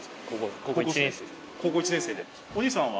高校１年生で。